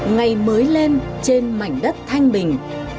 ngày mới lên trên mảnh đất thành bình